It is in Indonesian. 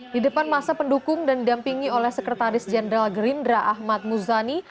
di depan masa pendukung dan didampingi oleh sekretaris jenderal gerindra ahmad muzani